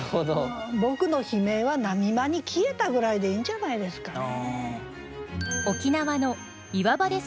「僕の悲鳴は波間に消えた」ぐらいでいいんじゃないですかね。